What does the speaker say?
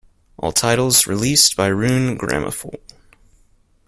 All titles released by Rune Grammofon.